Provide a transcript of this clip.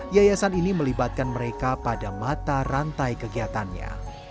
yayasan ini melibatkan mereka pada mata rantai kegiatannya